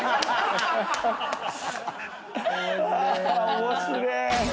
面白えな。